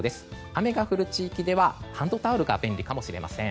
雨が降る地域ではハンドタオルが便利かもしれません。